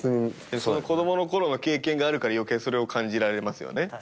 子供のころの経験があるから余計それを感じられますよね。